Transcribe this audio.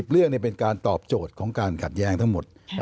เรื่องเป็นการตอบโจทย์ของการขัดแย้งทั้งหมด